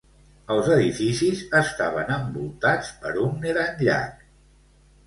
Els edificis estaven envoltats per un gran llac.